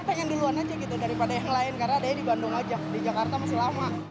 pengen duluan aja gitu daripada yang lain karena adanya di bandung aja di jakarta masih lama